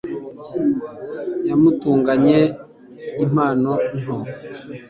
yamutunguye impano nto